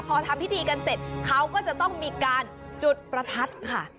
พอทำพิธีกันเสร็จเขาก็จะต้องมีการจุดประทัดค่ะ